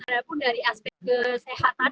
adapun dari aspek kesehatan